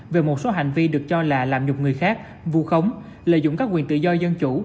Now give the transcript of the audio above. về một số hành vi được cho là làm nhục người khác vù khống lợi dụng các quyền tự do dân chủ